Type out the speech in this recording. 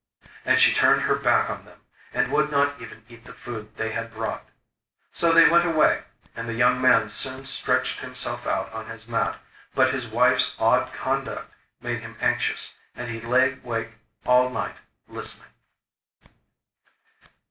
And she turned her back on them, and would not even eat the food they had brought. So they went away, and the young man soon stretched himself out on his mat; but his wife's odd conduct made him anxious, and he lay wake all night, listening.